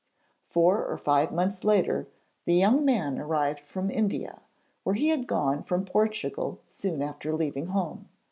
Four or five months later the young man arrived from India, where he had gone from Portugal soon after leaving home.